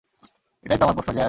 এটাইতো আমার প্রশ্ন, জ্যাজ।